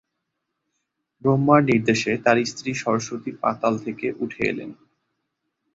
ব্রহ্মার নির্দেশে তার স্ত্রী সরস্বতী পাতাল থেকে উঠে এলেন।